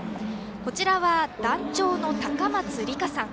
こちらは、団長の高松里佳さん。